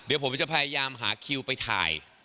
เดี๋ยวผมจะพยายามหาคิวไปถ่าย